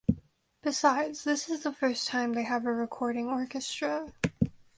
Besides, this is the first time they have a recording orchestra.